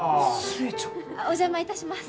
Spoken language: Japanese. お邪魔いたします。